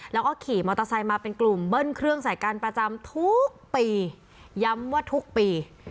แล้วก็ขี่มอเตอร์ไซค์มาเป็นกลุ่มเบิ้ลเครื่องใส่กันประจำทุกปีย้ำว่าทุกปี